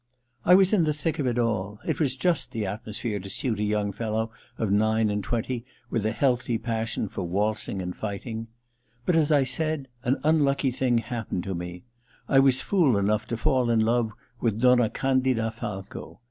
I was in the thick of it all — it was just the atmosphere to suit a young fellow of nine and twenty, with a healthy pas^pn for waltzing and 239 240 THE LETTER ii fighting. But, as I said, an unlucky thing happened to me. I was fool enough to fall in love with Donna Candida Falco.